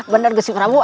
benar bersih prabu